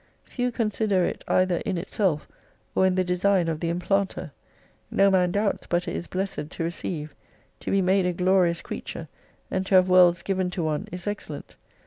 Few consider it either in itself, or in the design of the implanter. No man doubts but it is blessed to receive : to be made a glorious creature, and to have worlds given to one is excellent.